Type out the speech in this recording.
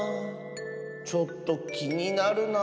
ちょっときになるな。